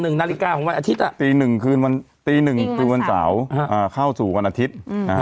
หนึ่งนาฬิกาของวันอาทิตย์ตีหนึ่งคืนวันเสาร์เข้าสู่วันอาทิตย์